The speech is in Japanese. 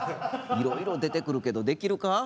いろいろ出てくるけどできるか？